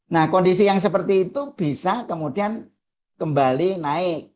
nah kondisi yang seperti itu bisa kemudian kembali naik